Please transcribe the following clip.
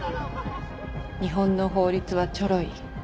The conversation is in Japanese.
日本の法律はチョロい」。